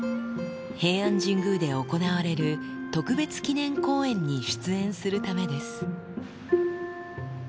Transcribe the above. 平安神宮で行われる特別記念公演に出演するためです。